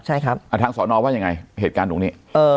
อเจมส์อาทางสนว่ายังไงเหตุการณ์ตรงนี้